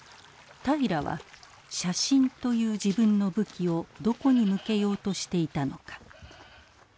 平良は写真という自分の武器をどこに向けようとしていたのか。